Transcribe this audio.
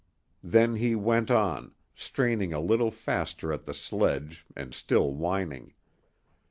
Then he went on, straining a little faster at the sledge and still whining.